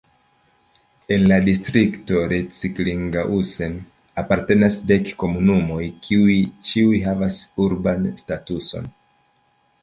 Al la distrikto Recklinghausen apartenas dek komunumoj, kiuj ĉiuj havas urban statuson.